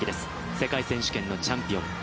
世界選手権のチャンピオン。